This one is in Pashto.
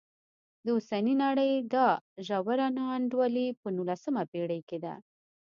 د اوسنۍ نړۍ دا ژوره نا انډولي په نولسمه پېړۍ کې ده.